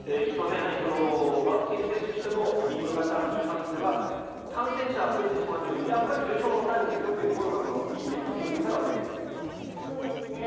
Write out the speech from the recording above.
やはりワクチン接種をしてもインド型に関しては感染者は増えてしまうけどやっぱり重症は抑えますよというのがイギリスの数字から出ている。